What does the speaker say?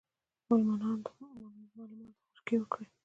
معلمانو ته خشکې وکړې.